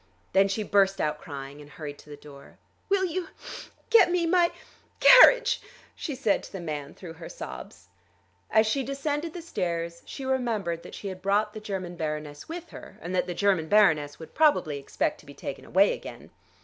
Then she burst out crying, and hurried to the door. "Will you get me my carriage?" she said to the man through her sobs. As she descended the stairs she remembered that she had brought the German baroness with her, and that the German baroness would probably expect to be taken away again.